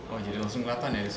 jadi langsung kelihatan di sini